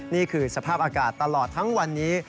นี่คือสภาพอากาศตลอดทั้งวันนี้